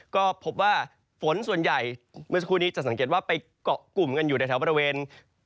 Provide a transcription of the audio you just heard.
ก็พบว่าฝนส่วนใหญ่เมื่อสักครู่นี้จะสังเกตว่าไปเกาะกลุ่มกันอยู่ในแถวบริเวณ